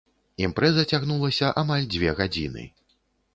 Імпрэза цягнулася амаль дзве гадзіны.